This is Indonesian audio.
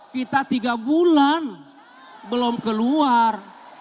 kita tiga bulan belum keluar